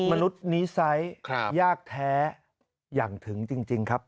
มนุษย์นิสัยยากแท้อย่างถึงจริงครับ